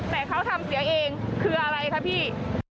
แต่เขาทำเสียงเองคืออะไรคะพี่